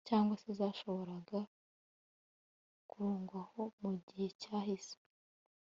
cyangwa se zashoboraga kurugwaho mu gihe cyahise